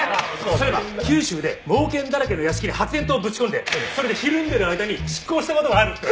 そういえば九州で猛犬だらけの屋敷に発煙筒ぶち込んでそれでひるんでる間に執行した事もあるって。